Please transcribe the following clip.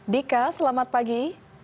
dika selamat pagi